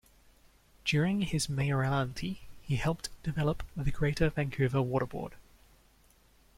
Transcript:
During his mayoralty, he helped develop the Greater Vancouver Water Board.